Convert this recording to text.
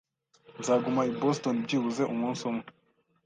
Nzaguma i Boston byibuze umunsi umwe.